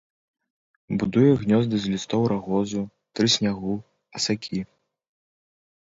Будуе гнёзды з лістоў рагозу, трыснягу, асакі.